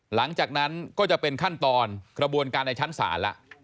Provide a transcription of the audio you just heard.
หลังจากนั้นก็จะเป็นขั้นตอนกระบวนการในชั้นศาลแล้ว